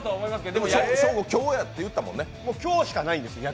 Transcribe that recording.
でも、ショーゴ、今日やって言ってたもんね。